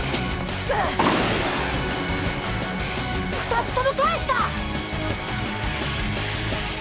２つとも返した！